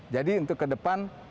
jadi untuk ke depan